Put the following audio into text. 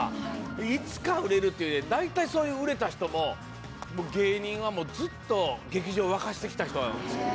いつかは売れるって、大体そういう売れた人も、芸人はもうずっと劇場を沸かせてきた人なんですよ。